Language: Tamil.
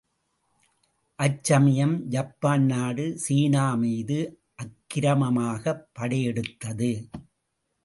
அச்சமயம் ஜப்பான் நாடு சீனாமீது அக்கிரமமாகப் படையெடுத்தது.